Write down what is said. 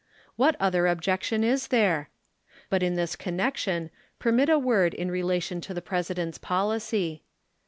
What other objection is there? But in this connection permit a word in relation to the President's policy.